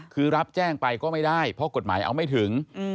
คือรับแจ้งไปก็ไม่ได้เพราะกฎหมายเอาไม่ถึง